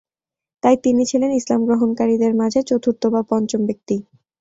তাই তিনি ছিলেন ইসলাম গ্রহণকারীদের মাঝে চতুর্থ বা পঞ্চম ব্যক্তি।